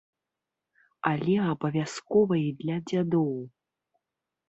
Але абавязкова й для дзядоў.